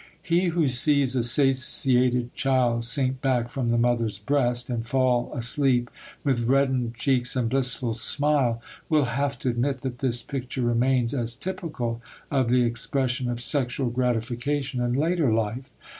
He who sees a satiated child sink back from the mother's breast, and fall asleep with reddened cheeks and blissful smile, will have to admit that this picture remains as typical of the expression of sexual gratification in later life.